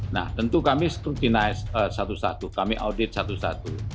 nah tentu kami scrutinize satu satu kami audit satu satu